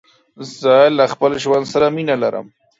زه له خپل ژوند سره مينه لرم.